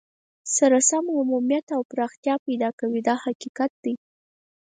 سره سم عمومیت او پراختیا پیدا کوي دا حقیقت دی.